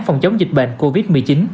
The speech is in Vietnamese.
phòng chống dịch bệnh covid một mươi chín